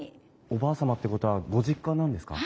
おばあ様ってことはご実家なんですか？